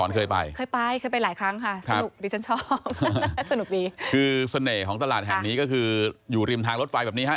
คือเสน่ห์ของตลาดแห่งนี้ก็คืออยู่ริมทางรถไฟแบบนี้ค่ะ